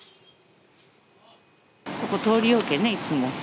ここ、通りようけんね、いつも。